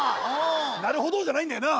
「なるほど」じゃないんだよな。